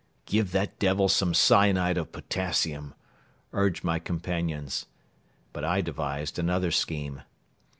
"Give that devil some cyanide of potassium," urged my companions. But I devised another scheme.